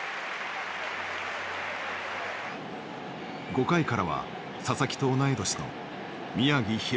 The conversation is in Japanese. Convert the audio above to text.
５回からは佐々木と同い年の宮城大弥。